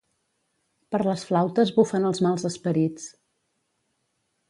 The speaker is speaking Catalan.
Per les flautes bufen els mals esperits.